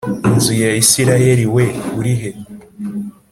inzu ya Isirayeli we urihe